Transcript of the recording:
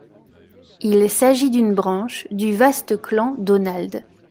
Il s'agit d'une branche du vaste clan Donald.